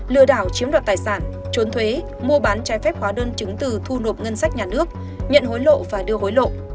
lừa đảo chiếm đoạt tài sản trốn thuế mua bán trái phép hóa đơn chứng từ thu nộp ngân sách nhà nước nhận hối lộ và đưa hối lộ